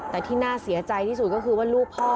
แต่ที่น่าเสียใจที่สุดก็คือว่าลูกพ่อ